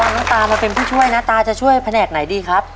น้องตามาเป็นผู้ช่วยนะตาจะช่วยแผนกไหนดีครับ